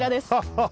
ハハハ！